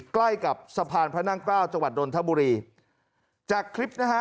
ใกล้กับสะพานพระนั่งเกล้าจังหวัดดนทบุรีจากคลิปนะฮะ